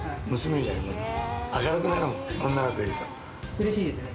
うれしいですね。